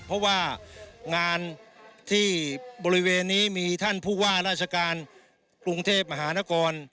เพราะว่างานที่บริเวณนี้มีท่านผู้ว่าราชการกรุงเทพมหานคร